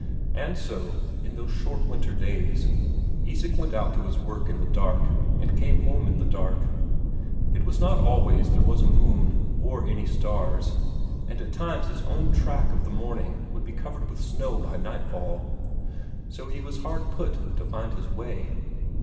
And so, in those short winter days, Isak went out to his work in the dark, and came home in the dark; it was not always there was a moon, or any stars, and at times his own track of the morning would be covered with snow by nightfall, so he was hard put to it to find his way.